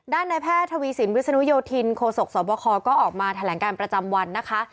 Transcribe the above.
ในแพทย์ทวีสินวิศนุโยธินโคศกสวบคก็ออกมาแถลงการประจำวันนะคะ